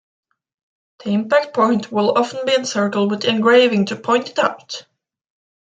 The impact point would often be encircled with engraving to point it out.